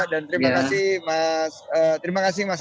dan terima kasih mas